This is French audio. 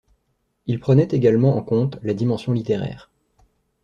Ils prenaient également en compte la dimension littéraire.